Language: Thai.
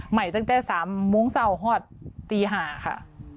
ใหม่ตั้งแต่๓มุ้งเศร้าฮอดตี๕ค่ะ